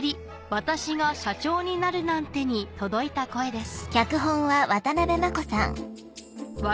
わたしが社長になるなんて』に届いた声です